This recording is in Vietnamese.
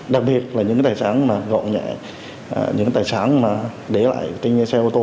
đặc biệt là những tài sản mà gọn nhẹ những tài sản để lại thế như xe ô tô